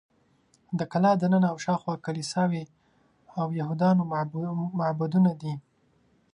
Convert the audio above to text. د کلا دننه او شاوخوا کلیساوې او یهودانو معبدونه دي.